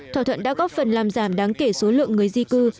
thỏa thuận đã góp phần làm giảm đáng kể số lượng người di cư